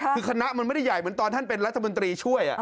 คือคณะมันไม่ได้ใหญ่เหมือนตอนท่านเป็นรัฐมนตรีช่วย